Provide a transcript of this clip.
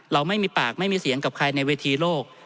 เราไม่มีปากไม่มีเสียงกับใครในเวทีโลก